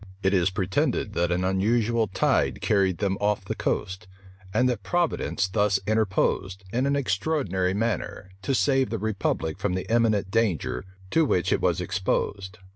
It is pretended that an unusual tide carried them off the coast; and that Providence thus interposed, in an extraordinary manner, to save the republic from the imminent danger to which it was exposed.